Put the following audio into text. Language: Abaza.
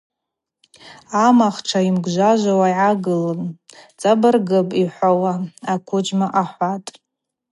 Амахтша йымгвжважвауа йгӏагылын – Цӏабыргыпӏ йухӏвауа, аквыджьма, – ахӏватӏ.